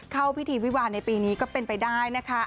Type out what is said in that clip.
เข้าพิธีวิวาลในปีนี้ก็เป็นไปได้นะคะ